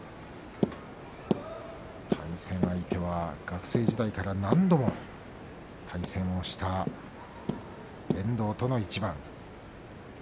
対戦相手は学生時代から何度も対戦をした遠藤です。